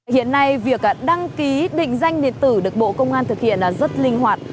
hiện nay việc đăng ký định danh điện tử được bộ công an thực hiện rất linh hoạt